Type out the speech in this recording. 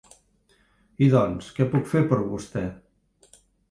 I doncs, què puc fer per vostè?